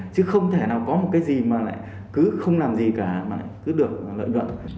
chứ không thể nào có một cái gì mà lại cứ không làm gì cả mà lại cứ được lợi nhuận